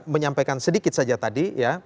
menyampaikan sedikit saja tadi